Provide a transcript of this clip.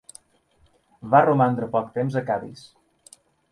Va romandre poc temps a Cadis.